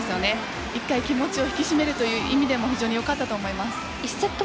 一回、気持ちを引き締めるという意味でもよかったと思います。